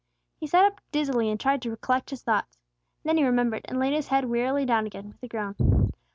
He sat up dizzily, and tried to collect his thoughts. Then he remembered, and laid his head wearily down again, with a groan.